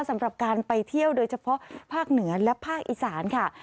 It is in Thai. สำหรับการไปเที่ยวโดยเฉพาะภาคเหนือและภาคอีสานค่ะ